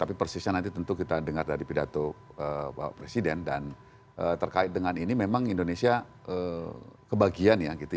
tapi persisnya nanti tentu kita dengar dari pidato bapak presiden dan terkait dengan ini memang indonesia kebagian ya